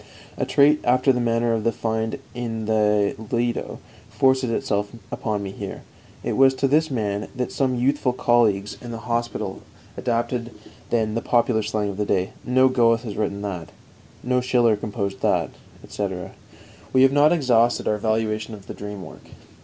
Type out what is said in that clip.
A trait, after the manner of the find in the Lido, forces itself upon me here. It was to this man that some youthful colleagues in the hospital adapted the then popular slang of that day: "No Goethe has written that," "No Schiller composed that," etc. We have not exhausted our valuation of the dream work.